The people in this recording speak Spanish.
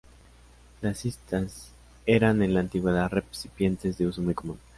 Las cistas eran en la antigüedad, recipientes de uso muy común.